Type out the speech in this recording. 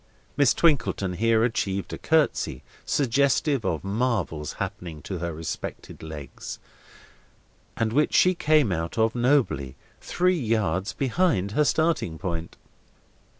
Miss Twinkleton here achieved a curtsey, suggestive of marvels happening to her respected legs, and which she came out of nobly, three yards behind her starting point.